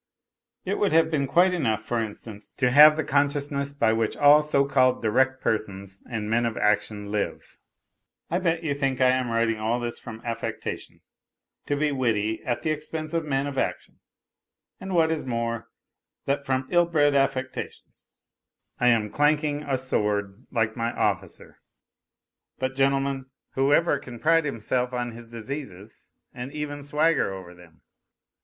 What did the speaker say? It would have been quite enough, for instance, to have the consciousness by which all so called direct persons and men of action live. I bet you think I am writing all this from affectation, to be witty at the expense of men of action; and what is more, that from ill bred affectation, I am clanking a sword like my officer. But, gentlemen, whoever can pride himself on his diseases and even swagger over them